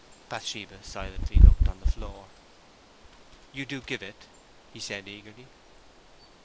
Bathsheba silently looked on the floor. "You do give it?" he said, eagerly.